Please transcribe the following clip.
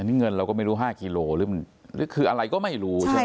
นี่เงินเราก็ไม่รู้๕กิโลหรือมันหรือคืออะไรก็ไม่รู้ใช่ไหม